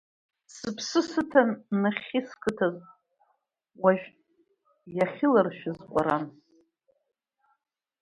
Сыԥсы сыҭан нахьхьи сқыҭаз, уажә иахьыларшәыз ҟәаран.